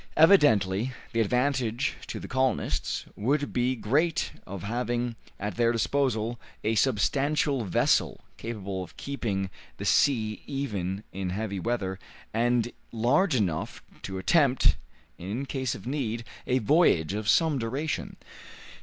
Evidently the advantage to the colonists would be great of having at their disposal a substantial vessel, capable of keeping the sea even in heavy weather, and large enough to attempt, in case of need, a voyage of some duration.